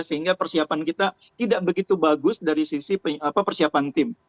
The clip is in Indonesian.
sehingga persiapan kita tidak begitu bagus dari sisi persiapan tim